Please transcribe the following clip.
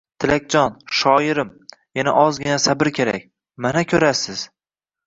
— Tilakjon, shoirim, yana ozgina sabr kerak. Mana, ko‘rasiz…